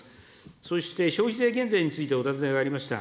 そして消費税減税についてお尋ねがありました。